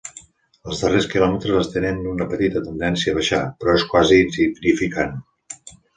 Els darrers quilòmetres tenen una petita tendència a baixar, però és quasi insignificant.